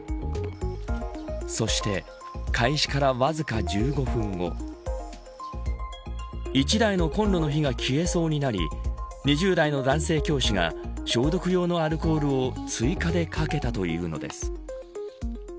そして開始からわずか１５分後１台のコンロの火が消えそうになり２０代の男性教師が消毒用のアルコールを追加でかけたというのです。